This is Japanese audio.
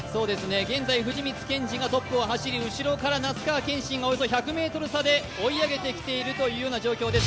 現在、藤光謙司がトップを走り後ろから那須川天心がおよそ１００ｍ差で追い上げてきている状況です。